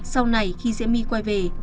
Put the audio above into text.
sau này khi diễm my quay về